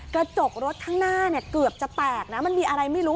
กระจกรถข้างหน้าเนี่ยเกือบจะแตกนะมันมีอะไรไม่รู้